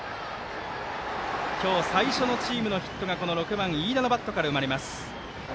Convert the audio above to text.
今日、最初のチームのヒットがこの６番飯田のバットから生まれます。